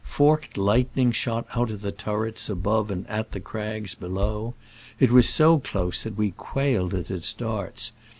Forked lightning shot out at the turrets above and at the crags below. It was so close that we quailed at its darts.